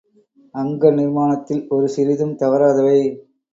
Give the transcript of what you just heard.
அங்க நிர்மாணத்தில் ஒரு சிறிதும் தவறாதவை.